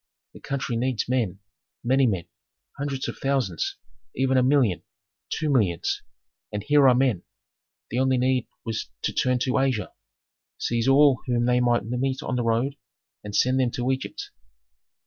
The country needs men, many men, hundreds of thousands, even a million, two millions. And here are men! The only need was to turn to Asia, seize all whom they might meet on the road, and send them to Egypt.